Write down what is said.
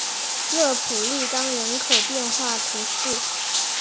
勒普利冈人口变化图示